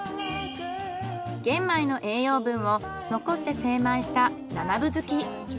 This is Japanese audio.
玄米の栄養分を残して精米した７分づき。